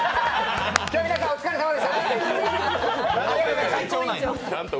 今日は皆さん、お疲れさまでした。